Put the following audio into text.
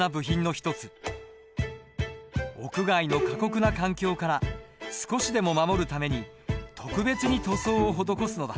屋外の過酷な環境から少しでも守るために特別に塗装を施すのだ。